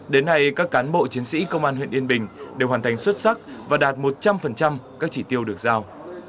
đến nay các cán bộ chiến sĩ công an huyện yên bình đều hoàn thành xuất sắc và đạt một trăm linh các chỉ tiêu được giao